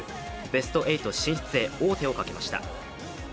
ベスト８進出へ王手をかけました。